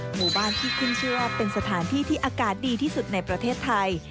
หมู่บ้านที่ขึ้นชื่อว่าเป็นสถานที่ที่อากาศดีที่สุดในประเทศไทย